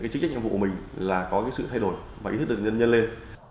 các bộ công chức trong việc phục vụ mình là có sự thay đổi và ý thức được nhân lên